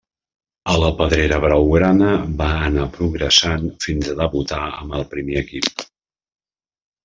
A la pedrera blaugrana va anar progressant fins a debutar amb el primer equip.